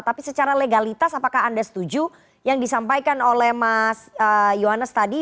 tapi secara legalitas apakah anda setuju yang disampaikan oleh mas yohanes tadi